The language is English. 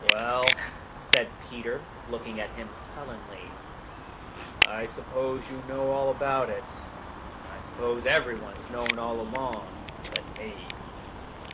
"Well," said Peter, looking at him sullenly, "I suppose you know all about it. I suppose everyone's known all along, but me."